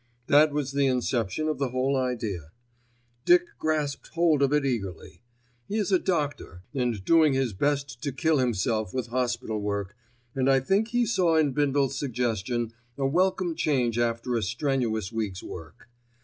That was the inception of the whole idea. Dick grasped hold of it eagerly. He is a doctor and doing his best to kill himself with hospital work, and I think he saw in Bindle's suggestion a welcome change after a strenuous week's work.